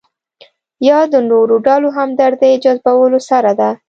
یا د نورو ډلو همدردۍ جذبولو سره ده.